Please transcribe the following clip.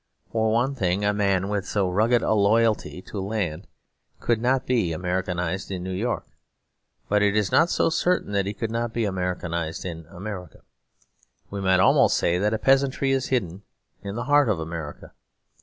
For one thing, a man with so rugged a loyalty to land could not be Americanised in New York; but it is not so certain that he could not be Americanised in America. We might almost say that a peasantry is hidden in the heart of America.